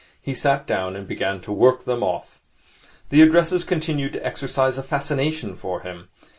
He sat down and began to work them off. The addresses continued to exercise a fascination for him.